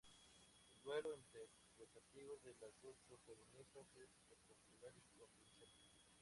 El duelo interpretativo de las dos protagonistas es espectacular y convincente.